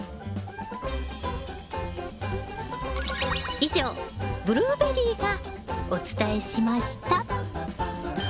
以上ブルーベリーがお伝えしました。